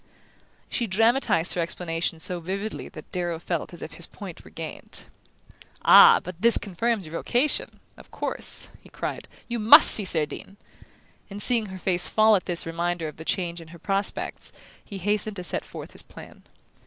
She dramatized her explanation so vividly that Darrow felt as if his point were gained. "Ah, but this confirms your vocation of course," he cried, "you must see Cerdine!" and, seeing her face fall at this reminder of the change in her prospects, he hastened to set forth his plan.